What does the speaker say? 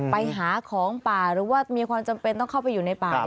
ไปหาของป่าหรือว่ามีความจำเป็นต้องเข้าไปอยู่ในป่า